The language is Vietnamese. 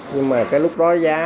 nhưng mà cái lúc đó giá